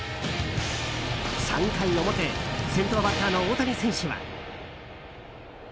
３回表先頭バッターの大谷選手は。